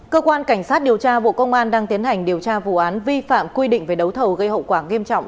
cơ quan cảnh sát điều tra bộ công an đang tiến hành điều tra vụ án vi phạm quy định về đấu thầu gây hậu quả nghiêm trọng